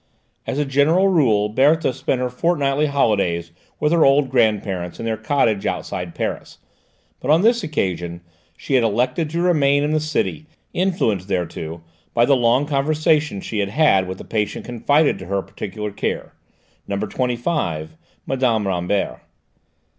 As a general rule Berthe spent her fortnightly holidays with her old grand parents in their cottage outside Paris, but on this occasion she had elected to remain in the city, influenced thereto by the long conversation she had had with the patient confided to her particular care, No. 25, Mme. Rambert.